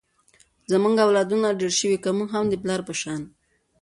زمونږ اولادونه ډېر شوي ، که مونږ هم د پلار په شان